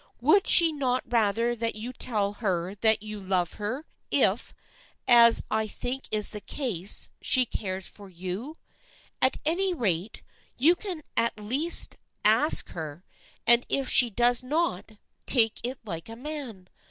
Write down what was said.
Would not she rather have you tell her that you love her, if, as I think is the case, she cares for you ? At any rate, you can at least ask her, and if she does not, take it like a man.